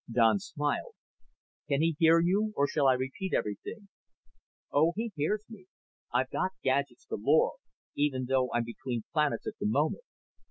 Don smiled. "Can he hear you or shall I repeat everything?" "Oh, he hears me. I've got gadgets galore, even though I'm between planets at the moment.